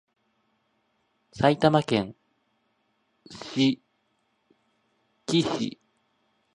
埼玉県志木市